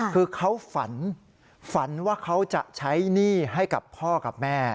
คือเขาฝันฝันว่าเขาจะใช้หนี้ให้กับพ่อกับแม่